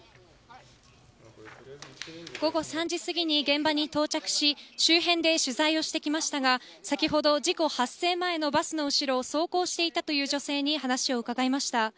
午後３時過ぎに現場に到着し周辺で取材をしてきましたが先ほど、事故発生前のバスの後ろを走行していたという女性に話を伺いました。